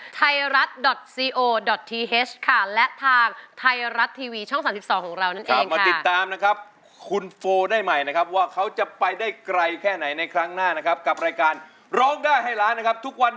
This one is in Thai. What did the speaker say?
เค้าบอกว่านักร้องคนนี้เมื่อเปลี่ยนค่ายก็จะเปลี่ยนนามสคุณไปด้วย